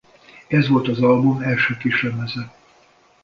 Ez volt az album első kislemeze.